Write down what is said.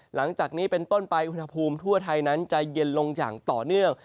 หลังจากนี้เป็นต้นไปอุณหภูมิทั่วไทยนั้นจะเย็นลงอย่างต่อเนื่อง